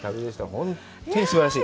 本当にすばらしい。